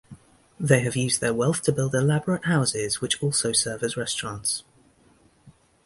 They have used their wealth to build elaborate houses which also serve as restaurants.